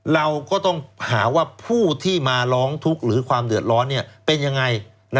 เราก็ต้องหาว่าผู้ที่มาร้องทุกข์หรือความเดือดร้อนเป็นยังไง